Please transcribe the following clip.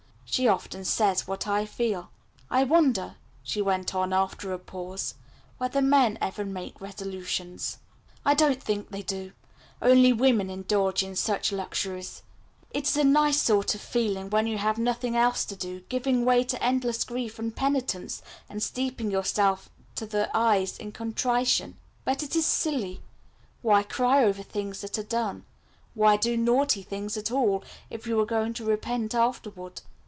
She often says what I feel. "I wonder," she went on after a pause, "whether men ever make resolutions?" "I don't think they do. Only women indulge in such luxuries. It is a nice sort of feeling, when you have nothing else to do, giving way to endless grief and penitence, and steeping yourself to the eyes in contrition; but it is silly. Why cry over things that are done? Why do naughty things at all, if you are going to repent afterward?